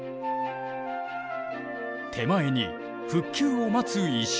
手前に復旧を待つ石垣。